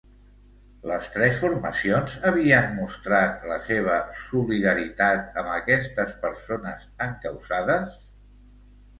Les tres formacions havien mostrat la seva solidaritat amb aquestes persones encausades?